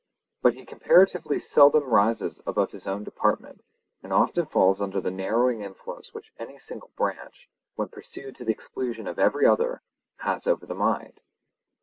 But he comparatively seldom rises above his own department, and often falls under the narrowing influence which any single branch, when pursued to the exclusion of every other, has over the mind.